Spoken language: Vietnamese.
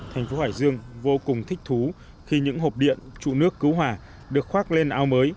thành phố hải dương vô cùng thích thú khi những hộp điện trụ nước cứu hỏa được khoác lên áo mới